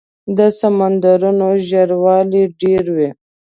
د سمندرونو ژوروالی ډېر وي.